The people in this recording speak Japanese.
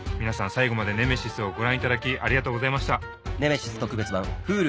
最後まで『ネメシス』をご覧いただきありがとうございました